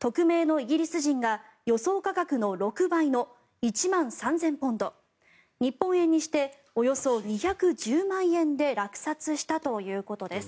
匿名のイギリス人が予想価格の６倍の１万３０００ポンド日本円にしておよそ２１０万円で落札したということです。